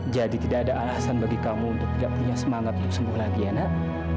jadi tidak ada alasan bagi kamu untuk tidak punya semangat untuk sembuh lagi ya nak